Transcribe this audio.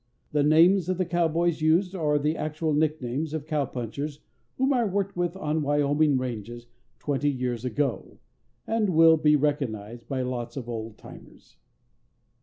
The names of the cowboys used are the actual nicknames of cowpunchers whom I worked with on Wyoming ranges twenty years ago, and will be recognized by lots of old timers.